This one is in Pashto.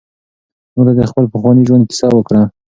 ما ته د خپل پخواني ژوند کیسه وکړه.